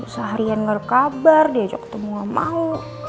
seharian nggak ada kabar diajak ketemu sama lu